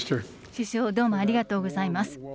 首相、どうもありがとうございます。